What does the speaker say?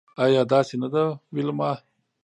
ایا داسې نده ویلما